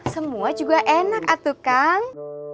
semua juga enak atu kang